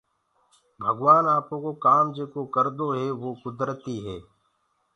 ڀگوآن آپو ڪو ڪآم جيڪو ڪردو هي وو ڪُدرتيٚ هي۔